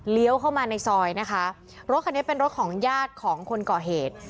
เข้ามาในซอยนะคะรถคันนี้เป็นรถของญาติของคนก่อเหตุ